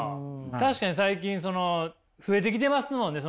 確かに最近増えてきてますもんね！